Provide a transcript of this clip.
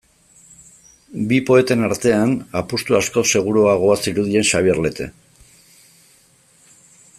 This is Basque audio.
Bi poeten artean, apustu askoz seguruagoa zirudien Xabier Lete.